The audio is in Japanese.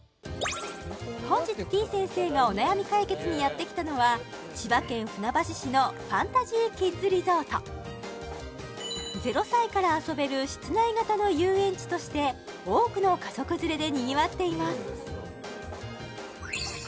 本日てぃ先生がお悩み解決にやってきたのは千葉県船橋市のファンタジーキッズリゾート０歳から遊べる室内型の遊園地として多くの家族連れでにぎわっています